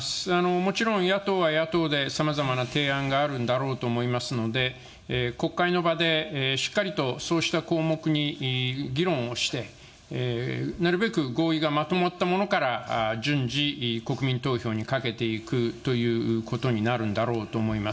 もちろん野党は野党でさまざまな提案があるんだろうと思いますので、国会の場でしっかりと、そうした項目に議論をして、なるべく合意がまとまったものから、順次、国民投票にかけていくということになるんだろうと思います。